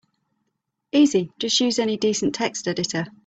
Easy, just use any decent text editor.